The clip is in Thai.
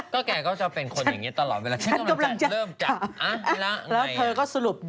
ก็แกก็จะเป็นคนอย่างนี้ตลอดเวลาฉันกำลังจะเริ่มจัด